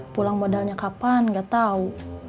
pulang modalnya kapan gak tahu